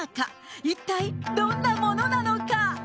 一体どんなものなのか。